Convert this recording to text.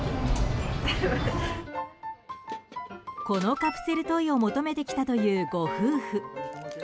このカプセルトイを求めて来たというご夫婦。